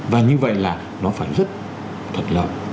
và như vậy là nó phải rất thuận lợi